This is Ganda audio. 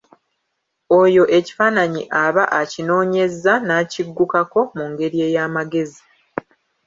Oyo ekifaananyi aba akinoonyezza n'akiggukako mu ngeri ey'amagezi.